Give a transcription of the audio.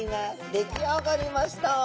出来上がりました！